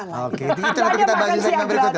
kita makan siang gratis